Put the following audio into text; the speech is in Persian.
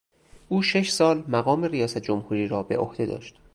او شش سال مقام ریاست جمهوری را به عهده داشت.